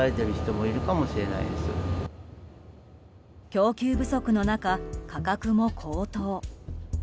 供給不足の中、価格も高騰。